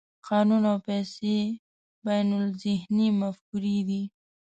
قانون او پیسې بینالذهني مفکورې دي.